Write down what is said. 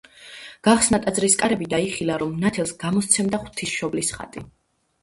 გახსნა ტაძრის კარები და იხილა, რომ ნათელს გამოსცემდა ღვთისმშობლის ხატი.